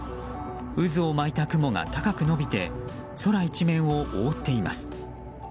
渦を巻いた雲が高く延びて空一面を覆っています。